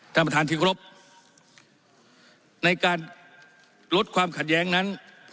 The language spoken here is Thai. ท่านประธานที่กรบในการลดความขัดแย้งนั้น